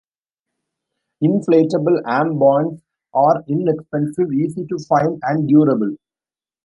Inflatable armbands are inexpensive, easy to find, and durable.